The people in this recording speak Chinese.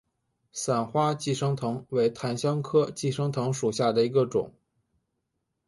伞花寄生藤为檀香科寄生藤属下的一个种。